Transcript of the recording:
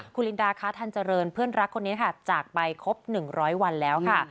คุณลินดาค้าทันเจริญเพื่อนรักคนนี้ค่ะจากไปครบ๑๐๐วันแล้วค่ะ